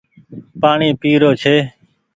پآڻيٚ پي رو ڇي۔